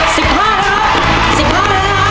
สิบห้าแล้วครับสิบห้าแล้วนะครับ